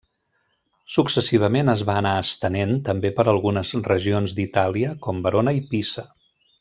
Successivament es va anar estenent també per algunes regions d'Itàlia, com Verona i Pisa.